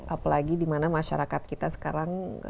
apalagi dimana masyarakat kita sekarang